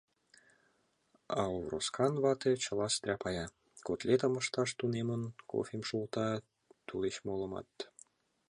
А Овроскан вате чыла стряпая: котлетым ышташ тунемын, кофем шолта, тулеч молымат.